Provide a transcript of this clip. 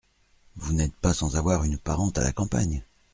Vous n’êtes pas sans avoir une parente à la campagne ?